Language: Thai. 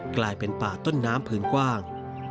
กลายเป็นป่าต้นน้ำพื้นกว้าง